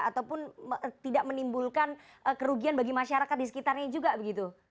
ataupun tidak menimbulkan kerugian bagi masyarakat di sekitarnya juga begitu